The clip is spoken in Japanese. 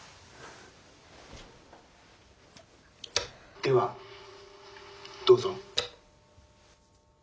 「ではどうぞ」。